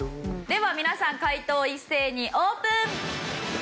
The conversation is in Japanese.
では皆さん解答一斉にオープン！